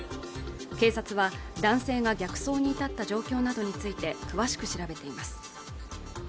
警察は男性が逆走に至った状況などについて詳しく調べています